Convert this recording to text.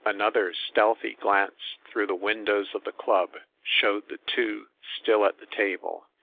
Another stealthy glance through the windows of the club showed the two still at the table.